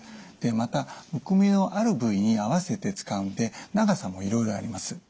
またむくみのある部位に合わせて使うので長さもいろいろあります。